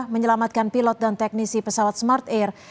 menyelamatkan pilot dan teknisi pesawat smart air